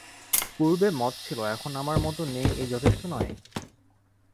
পূর্বে মত ছিল, এখন আমার মত নেই এই কি যথেষ্ট নয়?